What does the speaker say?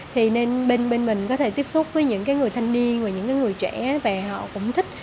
thì nên bên mình có thể tiếp xúc với những người thanh niên và những người trẻ về họ cũng thích